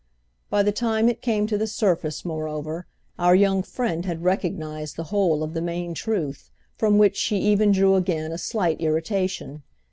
By the time it came to the surface, moreover, our young friend had recognised the whole of the main truth, from which she even drew again a slight irritation.